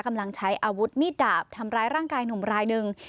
กำลังใช้อาวุธมีดดาบทำร้ายร่างกายหนุ่มรายหนึ่ง